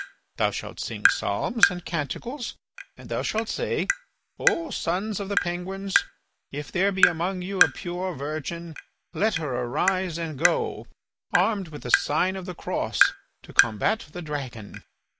"Thou shalt sing psalms and canticles and thou shalt say: "'O sons of the Penguins, if there be among you a pure virgin, let her arise and go, armed with the sign of the cross, to combat the dragon!